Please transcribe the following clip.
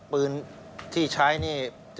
ปืนที่ใช้นี่